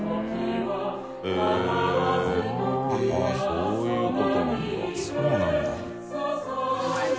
そういうことなんだ。白洲）